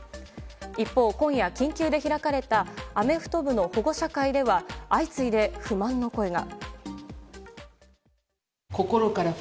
一方、今夜、緊急で開かれたアメフト部の保護者会では相次いで不満の声が。